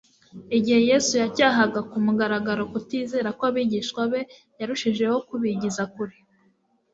Igihe Yesu yacyahaga ku mugaragaro kutizera kw'abigishwa be, yarushijeho kubigiza kure.